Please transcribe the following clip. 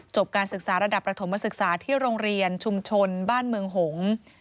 การศึกษาระดับประถมศึกษาที่โรงเรียนชุมชนบ้านเมืองหงษ์